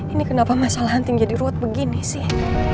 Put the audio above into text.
ini kenapa masalah hunting jadi ruwet begini sih